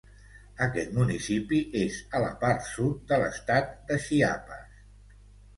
Aquest municipi és a la part sud de l'estat de Chiapas.